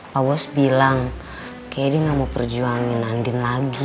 pak bos bilang kayaknya dia gak mau perjuangin andin lagi